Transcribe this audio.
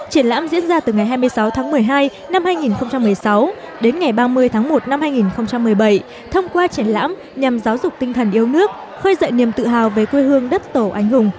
triển lãm diễn ra từ ngày hai mươi sáu tháng một mươi hai năm hai nghìn một mươi sáu đến ngày ba mươi tháng một năm hai nghìn một mươi bảy thông qua triển lãm nhằm giáo dục tinh thần yêu nước khơi dậy niềm tự hào về quê hương đất tổ anh hùng